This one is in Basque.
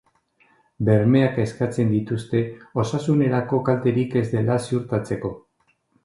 Bermeak eskatzen dituzte, osasunerako kalterik ez dela ziurtatzeko.